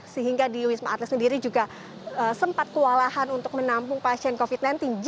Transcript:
sehingga di wisma atlet sendiri juga sempat kewalahan untuk menampung pasien covid sembilan belas